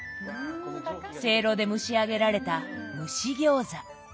せいろで蒸し上げられた蒸し餃子。